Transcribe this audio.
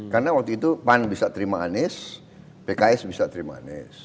karena waktu itu pan bisa terima anies pks bisa terima anies